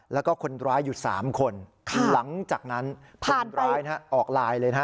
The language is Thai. แล้วก็คนร้ายอยู่๓คนหลังจากนั้นคนร้ายออกไลน์เลยนะฮะ